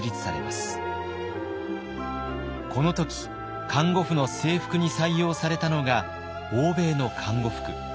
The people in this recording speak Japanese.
この時看護婦の制服に採用されたのが欧米の看護服。